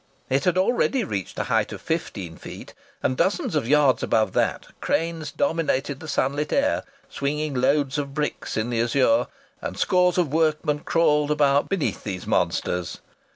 It had already reached a height of fifteen feet; and, dozen of yards above that, cranes dominated the sunlit air, swinging loads of bricks in the azure; and scores of workmen crawled about beneath these monsters.